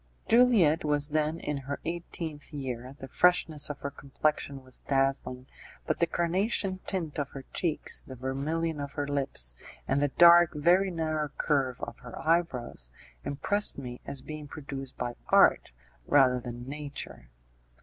Juliette was then in her eighteenth year; the freshness of her complexion was dazzling, but the carnation tint of her cheeks, the vermilion of her lips, and the dark, very narrow curve of her eyebrows, impressed me as being produced by art rather than nature.